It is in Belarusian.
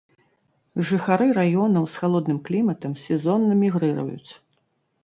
Жыхары раёнаў з халодным кліматам сезонна мігрыруюць.